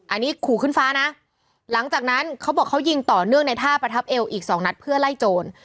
อันนี้ขู่ขึ้นฟ้านะหลังจากนั้นเขาบอกเขายิงต่อเนื่องในท่าประทับเอวอีกสองนัดเพื่อไล่โจร